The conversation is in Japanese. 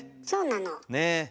そうなの。ね。